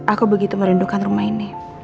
aku begitu merindukan rumah ini